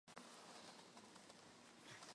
Ունեցել է շատ մեծ հռչակ։